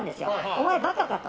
お前バカかと。